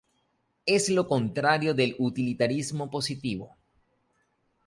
Es lo contrario del utilitarismo positivo.